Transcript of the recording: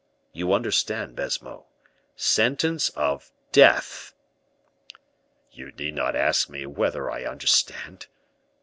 You understand, Baisemeaux, sentence of death!" "You need not ask me whether I understand."